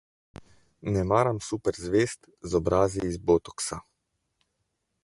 Ne maram super zvezd z obrazi iz botoksa.